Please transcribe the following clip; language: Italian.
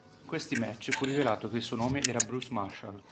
In questi match, fu rivelato che il suo nome era Bruce Marshall.